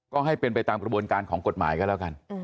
ก็ให้เป็นไปตามกระบวนการของกฎหมายก็แล้วกัน